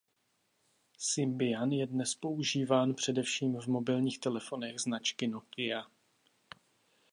Symbian je dnes používán především v mobilních telefonech značky Nokia.